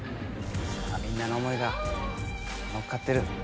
さあみんなの思いがのっかってる。